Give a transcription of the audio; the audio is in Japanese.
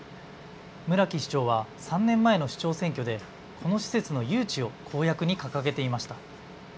村木市長は３年前の市長選挙でこの施設の誘致を公約に掲げていました。